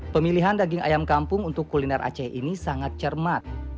pemilihan daging ayam kampung untuk kuliner aceh ini sangat cermat